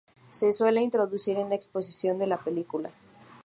Se suele introducir en la exposición de la película.